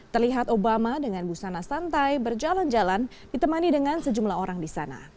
terlihat obama dengan busana santai berjalan jalan ditemani dengan sejumlah orang di sana